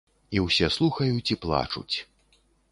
І ўсе слухаюць і плачуць!